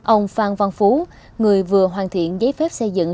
ông phan văn phú người vừa hoàn thiện giấy phép xây dựng